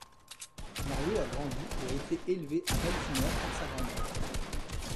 Mario a grandi et a été élevé à Baltimore par sa grand-mère.